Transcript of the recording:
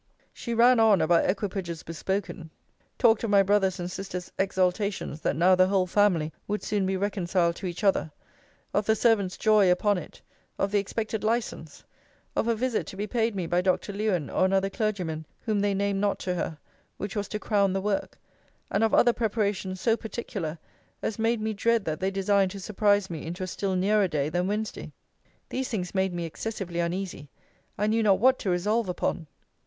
She ran on about equipages bespoken; talked of my brother's and sister's exultations that now the whole family would soon be reconciled to each other: of the servants' joy upon it: of the expected license: of a visit to be paid me by Dr. Lewen, or another clergyman, whom they named not to her; which was to crown the work: and of other preparations, so particular, as made me dread that they designed to surprise me into a still nearer day than Wednesday. These things made me excessively uneasy. I knew not what to resolve upon.